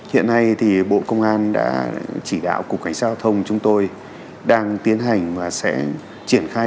hiện nay thì bộ công an đã chỉ đạo cục cảnh sát giao thông chúng tôi đang tiến hành và sẽ triển khai